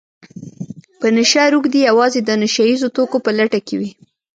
په نشه روږدي يوازې د نشه يیزو توکو په لټه کې وي